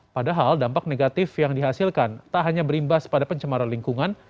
padahal dampak negatif yang dihasilkan tak hanya berimbas pada pencemaran lingkungan